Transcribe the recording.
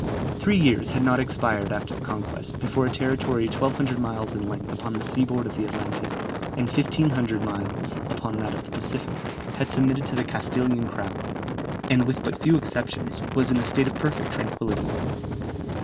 Three years had not expired after the conquest, before a territory 1200 miles in length upon the sea board of the Atlantic, and 1500 miles upon that of the Pacific, had submitted to the Castilian crown, and with but few exceptions, was in a state of perfect tranquillity.